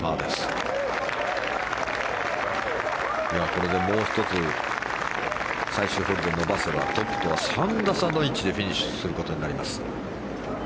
これでもう１つ最終得点を伸ばせばトップとは３打差の位置でフィニッシュとなります。